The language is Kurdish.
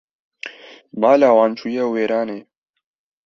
Mala wan çû ye wêranê